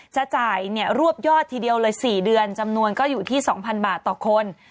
จะจ่ายรวบยอดทีเดียวเลย๔เดือนจำนวนก็อยู่ที่๒๐๐บาทต่อคน